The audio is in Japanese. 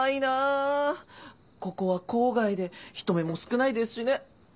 ここは郊外で人目も少ないですしね。